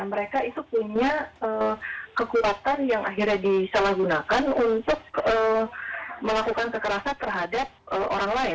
mereka itu punya kekuatan yang akhirnya disalahgunakan untuk melakukan kekerasan terhadap orang lain